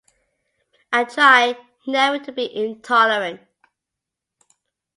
I try never to be intolerant.